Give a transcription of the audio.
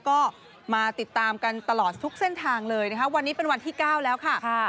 ก็มาติดตามกันตลอดทุกเส้นทางเลยนะคะวันนี้เป็นวันที่๙แล้วค่ะ